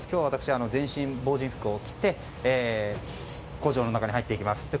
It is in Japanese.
私は全身、防塵服を着て工場の中に入っていきます。